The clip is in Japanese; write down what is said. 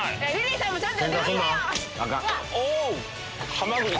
ハマグリ。